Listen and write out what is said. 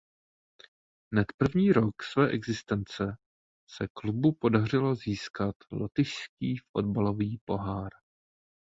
Hned první rok své existence se klubu podařilo získat lotyšský fotbalový pohár.